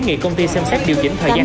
nhưng cần phải có lộ trình rõ ràng